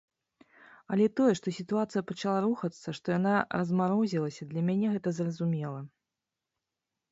Але тое, што сітуацыя пачала рухацца, што яна размарозілася, для мяне гэта зразумела.